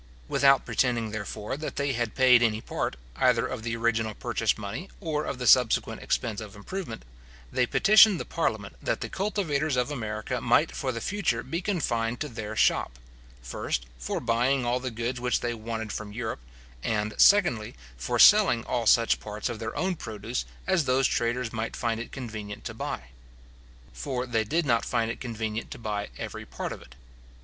Without pretending, therefore, that they had paid any part, either of the original purchase money, or of the subsequent expense of improvement, they petitioned the parliament, that the cultivators of America might for the future be confined to their shop; first, for buying all the goods which they wanted from Europe; and, secondly, for selling all such parts of their own produce as those traders might find it convenient to buy. For they did not find it convenient to buy every part of it.